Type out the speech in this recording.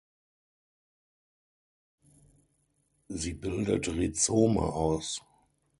Sie bildet Rhizome aus.